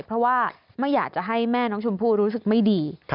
เพราะว่าไม่อยากจะให้แม่น้องชมพู่รู้สึกไม่ดี